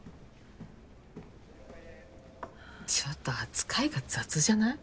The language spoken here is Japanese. ちょっと扱いが雑じゃない？